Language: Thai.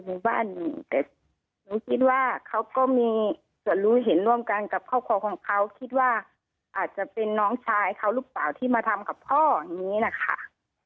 หมู่บ้านแต่หนูคิดว่าเขาก็มีส่วนรู้เห็นร่วมกันกับครอบครัวของเขาคิดว่าอาจจะเป็นน้องชายเขาหรือเปล่าที่มาทำกับพ่ออย่างนี้นะคะ